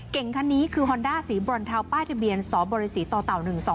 เก่งคันนี้คือฮอนด้าสีบรรเทาป้ายทะเบียนสบศต๑๒๕๓